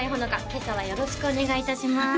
今朝はよろしくお願いいたします